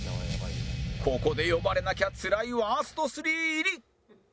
ここで呼ばれなきゃつらいワースト３入り